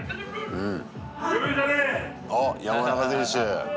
うん。